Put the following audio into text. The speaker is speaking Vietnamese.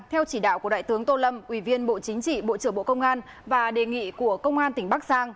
theo chỉ đạo của đại tướng tô lâm ủy viên bộ chính trị bộ trưởng bộ công an và đề nghị của công an tỉnh bắc giang